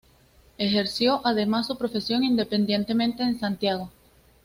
Ejerció además su profesión independientemente en Santiago.